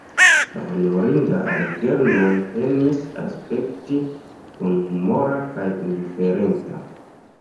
La honorinda Algernon penis aspekti bonhumora kaj indiferenta.